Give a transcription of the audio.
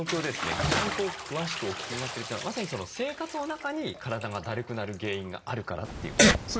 非常に詳しくお聞きになってるというのはまさにその生活の中に体がだるくなる原因があるからということなんですか？